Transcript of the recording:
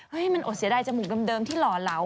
ให้มันอดเสียดายจมูกเดิมที่หล่อเหลา